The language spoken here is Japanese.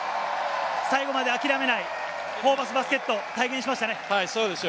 最後まで諦めないホーバスバスケットを体現しましたね。